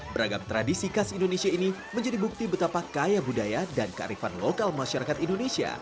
beragam tradisi khas indonesia ini menjadi bukti betapa kaya budaya dan kearifan lokal masyarakat indonesia